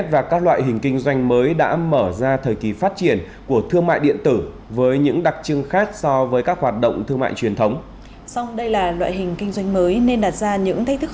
và con nhân dân